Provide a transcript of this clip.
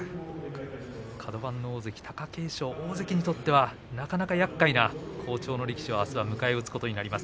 カド番の大関貴景勝大関にとってはなかなかやっかいな好調の力士を迎え撃つことになります。